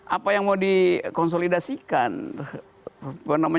apa yang mau dikonsolidasikan